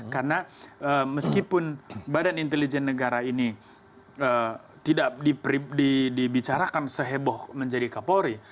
karena meskipun badan intelijen negara ini tidak dibicarakan seheboh menjadi kapolri